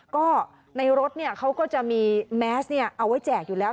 ก็ในรถเขาก็จะมีแมสเอาไว้แจกอยู่แล้ว